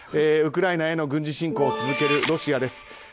ウクライナへの軍事侵攻を続けるロシアです。